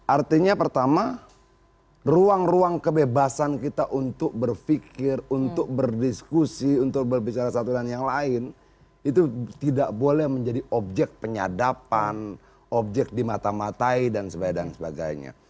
artinya pertama ruang ruang kebebasan kita untuk berpikir untuk berdiskusi untuk berbicara satu dan yang lain itu tidak boleh menjadi objek penyadapan objek dimata matai dan sebagainya